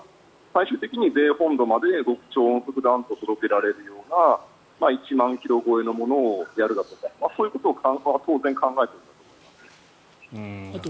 最終的に米本土まで極超音速弾を届けられるような１万ｋｍ超えのものをやるとかそういうことを当然考えていると思います。